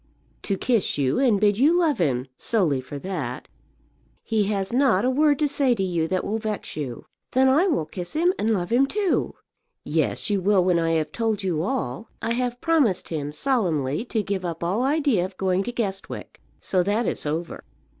"To kiss you, and bid you love him; solely for that. He has not a word to say to you that will vex you." "Then I will kiss him, and love him, too." "Yes, you will when I have told you all. I have promised him solemnly to give up all idea of going to Guestwick. So that is over."